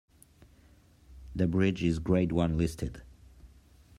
The bridge is Grade One listed.